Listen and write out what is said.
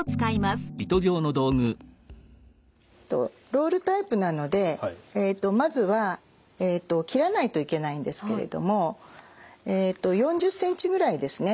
ロールタイプなのでまずは切らないといけないんですけれども４０ｃｍぐらいですね。